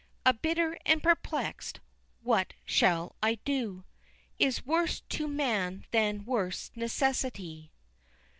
"A bitter and perplexed 'What shall I do?' Is worse to man than worse necessity."